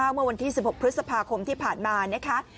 เมื่อวันที่๑๖พฤษภาคมที่ผ่านมานะคะ